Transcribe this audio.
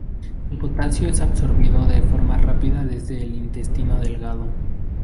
El potasio es absorbido de forma rápida desde el intestino delgado.